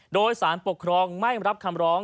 โดยสารปกครองไม่รับคำร้อง